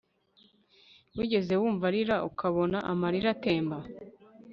wigeze wumva arira ukabona amarira atemba